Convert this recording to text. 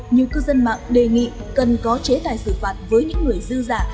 nhiều cư dân mạng đề nghị cần có chế tài xử phạt với những người dư giả